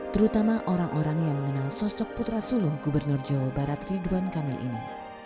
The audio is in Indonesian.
terutama orang orang yang mengenal sosok putra sulung gubernur jawa barat ridwan kamil ini